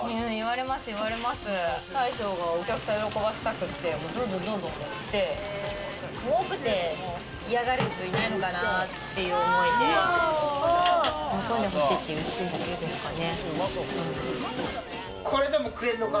大将がお客さん喜ばせたくて、どんどん盛って、多くて嫌がる人いないのかなっていう思いで、喜んで欲しいっていう一心だけですかね。